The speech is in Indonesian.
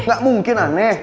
gak mungkin aneh